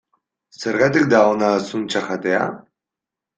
Zergatik da ona zuntza jatea?